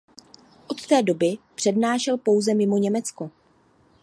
Od té doby přednášel pouze mimo Německo.